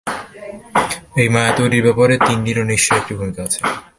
এই মায়া তৈরির ব্যাপারে তিন্নিরও নিশ্চয়ই একটি ভূমিকা আছে।